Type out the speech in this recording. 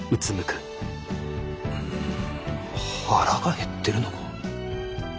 うん腹が減ってるのか？